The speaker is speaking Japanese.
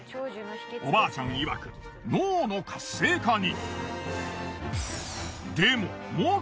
おばあちゃんいわく脳の活性化に。